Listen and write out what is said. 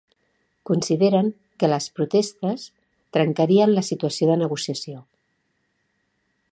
Consideren que les protestes ‘trencarien la situació de negociació’.